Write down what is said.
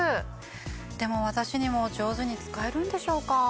でも私にも上手に使えるんでしょうか？